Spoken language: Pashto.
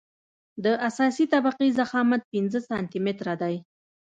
د اساسي طبقې ضخامت پنځه سانتي متره دی